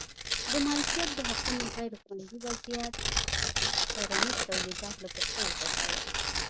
د مالکیت د حقونو غیر خوندي وضعیت کرنیز تولیدات له پښو وغورځول.